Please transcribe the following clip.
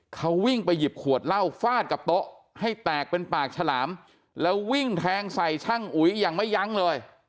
เขาวิ่งไปหยิบขวดเหล้าฟาดกับโต๊ะให้แตกเป็นปากฉลามแล้ววิ่งแทงใส่ช่างอุ๋ยอย่างไม่ยั้งเลย